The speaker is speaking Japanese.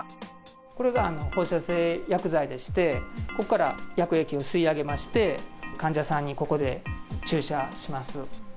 これが放射性薬剤でして、ここから薬液を吸い上げまして、患者さんにここで注射します。